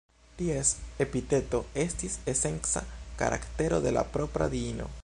Ties epiteto estis esenca karaktero de la propra diino.